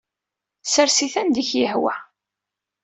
Ssers-it anda ay ak-yehwa.